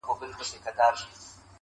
چي تاریخ بېرته خپل تضاد ته ستون سو